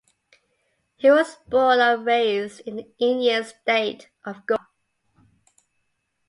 He was born and raised in the Indian state of Goa.